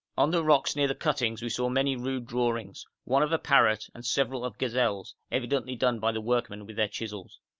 On the rocks near the cuttings we saw many rude drawings, one of a parrot and several of gazelles, evidently done by the workmen with their chisels.